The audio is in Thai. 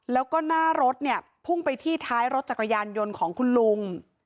แล้วก็หน้ารถเนี่ยพุ่งไปที่ท้ายรถจักรยานยนต์ของคุณลุง